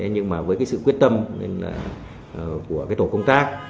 nhưng mà với cái sự quyết tâm của cái tổ công tác